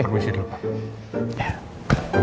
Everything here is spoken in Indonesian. permisi dulu pak